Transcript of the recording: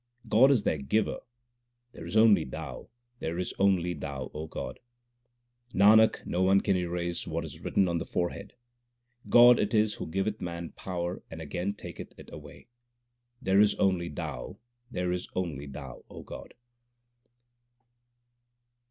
God is their Giver. There is only Thou, there is only Thou, O God ! Nanak, no one can erase What is written on the forehead. God it is who giveth man power and again taketh it away. There is only Thou, there is only Thou, O God